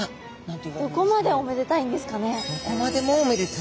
どこまでおめでたいんですかね。